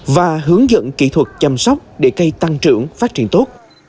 và hướng dẫn kỹ thuật chăm sóc để cây tăng trưởng phát triển tốt